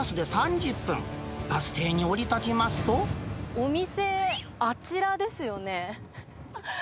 お店、あちらですよね。